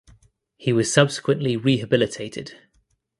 He was subsequently rehabilitated.